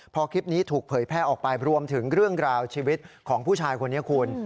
พอคลิปนี้ถูกเผยแพร่ออกไปรวมถึงเรื่องราวชีวิตของผู้ชายคนนี้คุณ